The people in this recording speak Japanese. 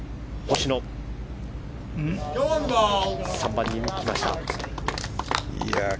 星野、３番に来ました。